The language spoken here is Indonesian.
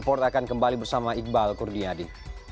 report akan kembali bersama iqbal kurniawadi